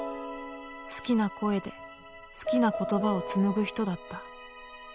好きな声で好きな言葉をつむぐ人だった